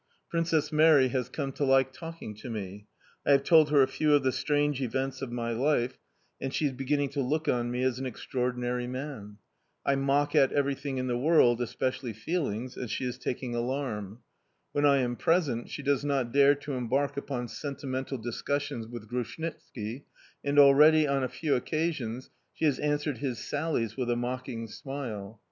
Princess Mary has come to like talking to me; I have told her a few of the strange events of my life, and she is beginning to look on me as an extraordinary man. I mock at everything in the world, especially feelings; and she is taking alarm. When I am present, she does not dare to embark upon sentimental discussions with Grushnitski, and already, on a few occasions, she has answered his sallies with a mocking smile.